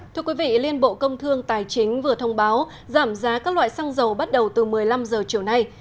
thưa quý vị liên bộ công thương tài chính vừa thông báo giảm giá các loại xăng dầu bắt đầu từ một mươi năm h chiều nay